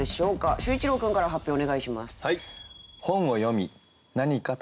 秀一郎君から発表お願いします。